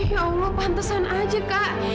ya allah pantesan aja kak